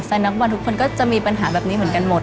นักบอลทุกคนก็จะมีปัญหาแบบนี้เหมือนกันหมด